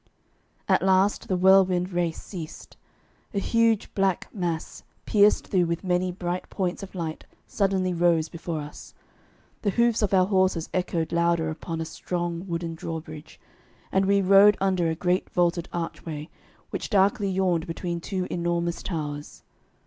At last the whirlwind race ceased; a huge black mass pierced through with many bright points of light suddenly rose before us, the hoofs of our horses echoed louder upon a strong wooden drawbridge, and we rode under a great vaulted archway which darkly yawned between two enormous towers.